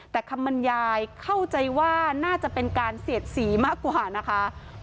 แต่คำบรรยายเข้าใจว่าน่าจะเป็นการเสียดสีมากกว่านะคะ